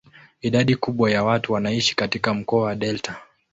Idadi kubwa ya watu wanaishi katika mkoa wa delta.